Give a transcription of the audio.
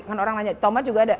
kan orang nanya tomat juga ada